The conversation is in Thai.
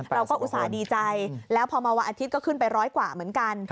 อุตส่าห์ดีใจแล้วพอมาวันอาทิตย์ก็ขึ้นไปร้อยกว่าเหมือนกัน